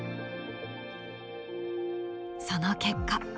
その結果。